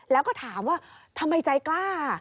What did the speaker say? แล้วก็ถามว่าทำไมใจกล้า